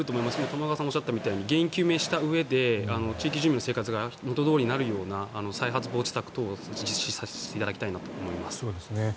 玉川さんがおっしゃったように原因究明をしたうえで生活が元どおりになるような再発防止策を実施していただきたいと思います。